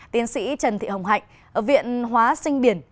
tiến sĩ trần thị hồng hạnh ở viện hóa sinh biển